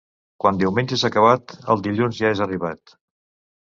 Quan diumenge és acabat el dilluns ja és arribat.